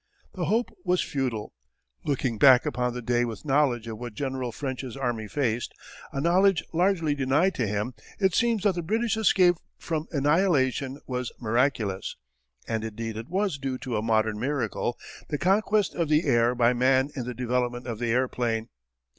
The hope was futile. Looking back upon the day with knowledge of what General French's army faced a knowledge largely denied to him it seems that the British escape from annihilation was miraculous. And indeed it was due to a modern miracle the conquest of the air by man in the development of the airplane.